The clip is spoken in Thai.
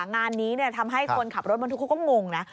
งานนี้ทำให้คนขับรถบรรทุกเขาก็งงนะ